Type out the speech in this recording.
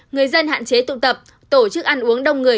người dân hạn chế tụ tập tổ chức ăn uống đông người